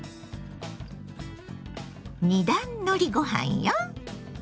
二段のりご飯よ。